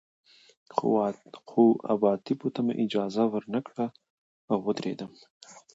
خو عواطفو ته مې اجازه ور نه کړه او ودېردم